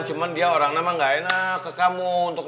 cuman dia orang nama gak enak ke kamu